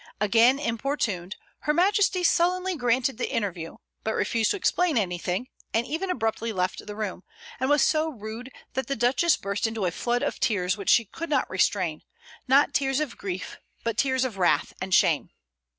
Again importuned, her Majesty sullenly granted the interview, but refused to explain anything, and even abruptly left the room, and was so rude that the Duchess burst into a flood of tears which she could not restrain, not tears of grief, but tears of wrath and shame.